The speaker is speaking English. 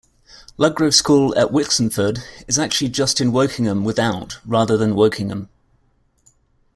Ludgrove School at Wixenford is actually just in Wokingham Without, rather than Wokingham.